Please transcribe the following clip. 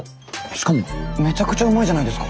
しかもめちゃくちゃうまいじゃないですか。